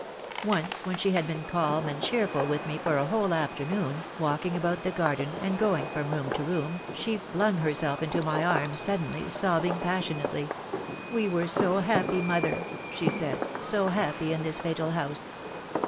Once when she had been calm and cheerful with me for a whole afternoon, walk ing about the garden and going from room to room, she flung herself into my arms suddenly, sobbing passionately. 'We were so happy, mother,' she said, 'so happy in this fatal house.'